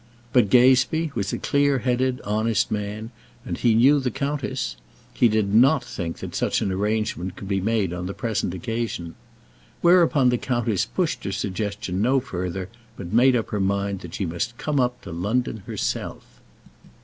But Gazebee was a clear headed, honest man; and he knew the countess. He did not think that such an arrangement could be made on the present occasion. Whereupon the countess pushed her suggestion no further, but made up her mind that she must come up to London herself.